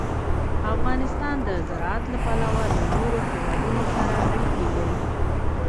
افغانستان د زراعت له پلوه له نورو هېوادونو سره اړیکې لري.